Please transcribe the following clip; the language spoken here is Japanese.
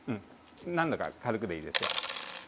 何度か軽くでいいですよ。